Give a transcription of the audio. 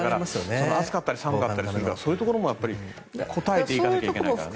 暑かったり寒かったりするからそういうところも答えていかないといけないから。